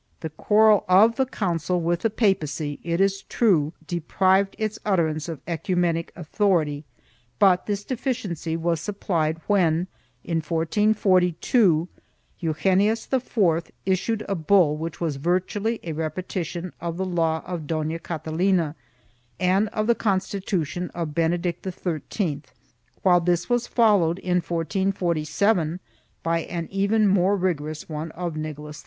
2 The quarrel of the council with the papacy, it is true, deprived its utterance of cecumenic authority, but this deficiency was supplied when, in 1442, Eugenius IV issued a bull which was virtually a repeti tion of the law of Dona Catalina and of the constitution of Bene dict XIII, while this was followed, in 1447, by an even more rigorous one of Nicholas V.